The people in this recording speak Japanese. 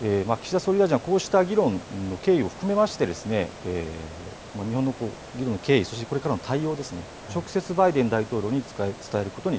岸田総理大臣はこうした議論の経緯を含めまして、日本の議論の経緯、そしてこれからの対応ですね、直接バイデン大統領に伝えること